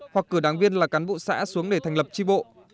hoặc cử đảng viên là cán bộ xã xuống để thành lập tri bộ